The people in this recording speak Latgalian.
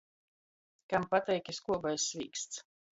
Kam pateik i skobais svīksts!